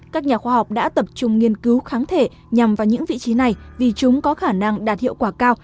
các nhà khoa học đã tập trung nghiên cứu kháng thể nhằm vào những vị trí này vì chúng có khả năng đạt hiệu quả cao